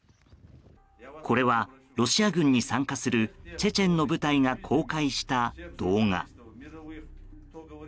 これはロシア軍に参加するチェチェンの部隊が公開した動画。